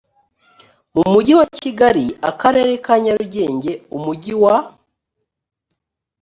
mu mugi wa kigali akarere ka nyarugenge umujyi wa